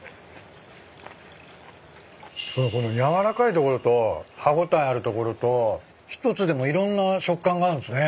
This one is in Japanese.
この軟らかい所と歯応えある所と一つでもいろんな食感があるんすね。